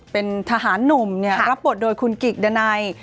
เป็นทหารหนุ่มรับบทโดยคุณกิกดานัย